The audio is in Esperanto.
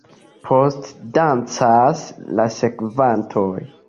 Poste dancas la sekvantoj.